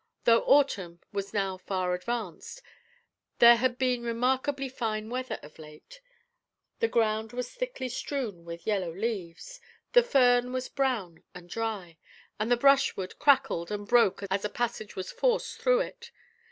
Though autumn was now far advanced, there had been remarkably fine weather of late; the ground was thickly strewn with yellow leaves, the fern was brown and dry, and the brushwood crackled and broke as a passage was forced through it.